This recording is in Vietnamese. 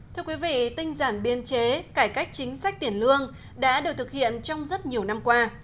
thưa quý vị tinh giản biên chế cải cách chính sách tiền lương đã được thực hiện trong rất nhiều năm qua